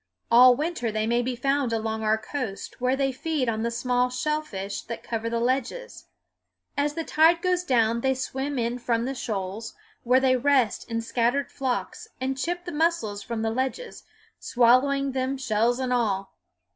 All winter they may be found along our coasts, where they feed on the small shellfish that cover the ledges. As the tide goes down they swim in from the shoals, where they rest in scattered flocks, and chip the mussels from the ledges, swallowing them shells and all.